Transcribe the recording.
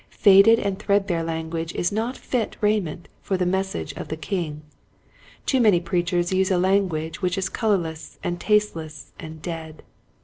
Faded and threadbare language is not fit rai ment for the message of the king. Too many preachers use a language which is colorless and tasteless and dead.